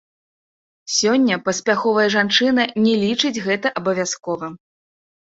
Сёння паспяховая жанчына не лічыць гэта абавязковым.